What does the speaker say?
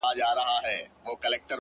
ځكه مي دعا، دعا، دعا په غېږ كي ايښې ده،